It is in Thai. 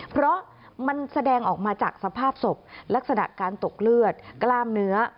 เพราะมันแสดงออกมาจากสภาพศพลักษณะการตกเลือดกล้ามเนื้อ